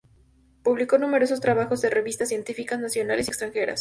Publicó numerosos trabajos en revistas científicas nacionales y extranjeras.